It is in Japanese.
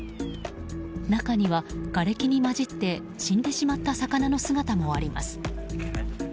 中には、がれきに混じって死んでしまった魚の姿もあります。